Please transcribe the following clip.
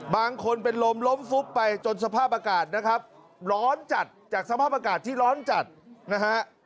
บางคนเป็นลมล้มฟุบไปจนสภาพอากาศนะครับร้อนจัดจากสภาพอากาศที่ร้อนจัดนะฮะ